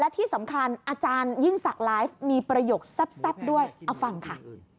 ที่สำคัญอาจารยิ่งศักดิ์ไลฟ์มีประโยคแซ่บด้วยเอาฟังค่ะ